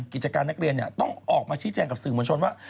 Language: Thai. กิจการนักเรียนต้องออกมาชี้แจงกับสื่อมวลชนว่า